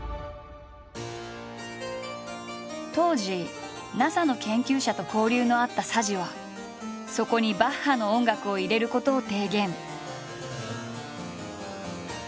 当時ＮＡＳＡの研究者と交流のあった佐治はそこにバッハの音楽を入れることを提言。